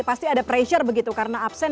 pasti ada pressure begitu karena absen